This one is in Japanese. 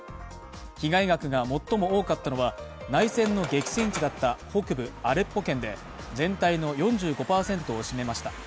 被害額が最も多かったのは、内戦の激戦地だった北部アレッポ県で、全体の４５％を占めました。